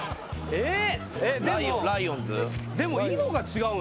えっ？